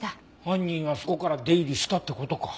犯人はそこから出入りしたって事か。